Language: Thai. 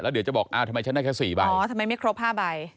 เดี๋ยวจะบอกอ้าวทำไมฉันได้แค่๔ใบอ๋อทำไมไม่ครบ๕ใบ